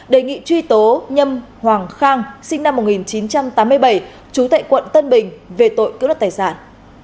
đề nghị truy tố nhâm hoàng khang sinh năm một nghìn chín trăm tám mươi bảy trú tại quận tân bình về tội cướp đất tài sản